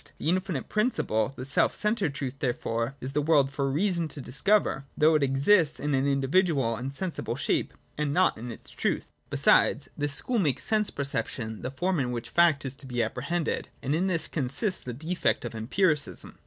'The infinite principle, the self centred truth, therefore, is in the world for reason to discover : though it exists in an individual and sensible shape, and not in its truth. Besides, this school makes sense perception the form in which fact is to be apprehended : and in this consists the defect of Empiricism.